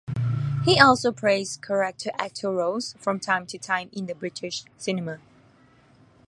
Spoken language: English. He also plays 'character actor' roles from time to time in the British cinema.